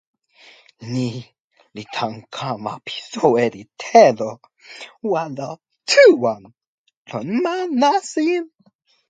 ni li tan kama pi soweli telo walo tu wan lon ma nasin.